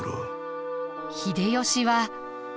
秀吉は。